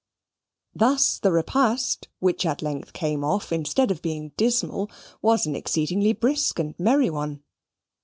Thus the repast, which at length came off, instead of being dismal, was an exceedingly brisk and merry one.